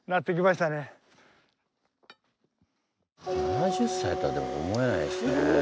７０歳とは思えないですね。